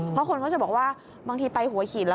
เพราะคนเขาจะบอกว่าบางทีไปหัวหินแล้ว